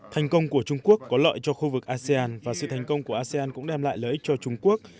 thành công của trung quốc có lợi cho khu vực asean và sự thành công của asean cũng đem lại lợi ích cho trung quốc